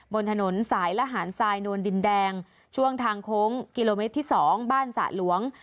บนถนนสายละหารทรายโนนดินแดงช่วงทางโค้งกิโลเมตรที่๒บ้านสระหลวง